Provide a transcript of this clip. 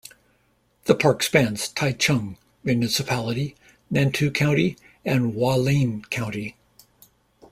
The park spans Taichung Municipality, Nantou County, and Hualien County.